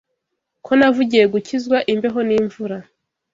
Ko navugiye gukizwa imbeho n’imvura